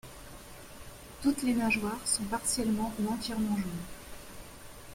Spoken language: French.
Toutes les nageoires sont partiellement ou entièrement jaunes.